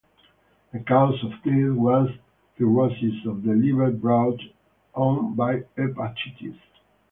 The cause of death was cirrhosis of the liver brought on by hepatitis.